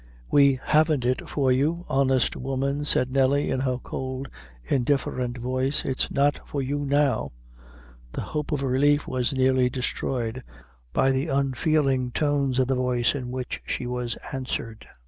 "We haven't it for you, honest woman," said Nelly, in her cold, indifferent voice "it's not for you now." The hope of relief was nearly destroyed by the unfeeling tones of the voice in which she was answered.